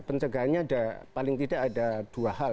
pencegahannya paling tidak ada dua hal